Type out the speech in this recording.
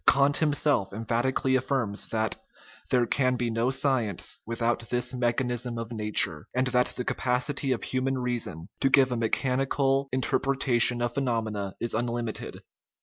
Kant himself emphatically affirms that " there can be no science without this me chanicism of nature," and that the capacity of human reason to give a mechanical interpretation of phenom ena is unlimited.